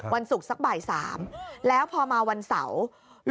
วันศุกร์สักบ่าย๓แล้วพอมาวันเสาร์